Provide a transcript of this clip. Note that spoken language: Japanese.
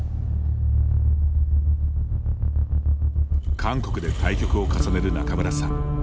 韓国で対局を重ねる仲邑さん。